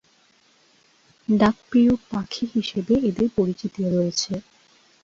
ডাকপ্রিয় পাখি হিসেবে এদের পরিচিতি রয়েছে।